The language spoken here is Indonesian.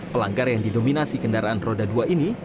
pelanggar yang didominasi kendaraan roda dua ini